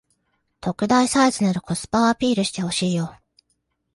特大サイズならコスパをアピールしてほしいよ